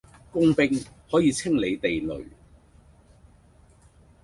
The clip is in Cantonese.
工兵可以清理地雷